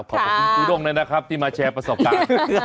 ขอบคุณจูด้งด้วยนะครับที่มาแชร์ประสบการณ์